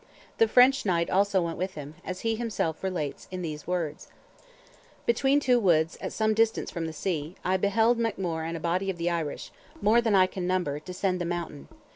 The French knight also went with him, as he himself relates in these words: "Between two woods, at some distance from the sea, I beheld MacMore and a body of the Irish, more than I can number, descend the mountain.